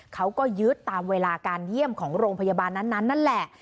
เขาก็ยึดตามเวลาการเยี่ยมของโรงพยาบาลนั้นนั่นแหละ